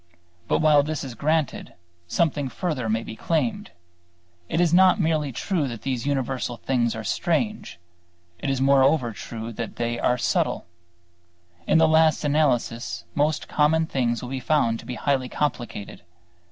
But while this is granted, something further may be claimed. It is not merely true that these universal things are strange; it is moreover true that they are subtle. In the last analysis most common things will be found to be highly complicated.